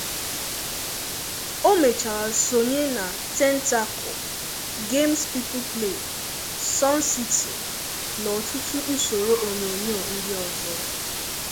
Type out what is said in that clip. O mechara sonye na "Tentacle", "Games People Play", "Sun-city" na ọtụtụ usoro onyonyo ndị ọzọ.